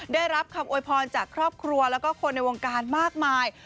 ได้รับคำโวยพรจากครอบครัวแล้วก็คนในวงการมากมาย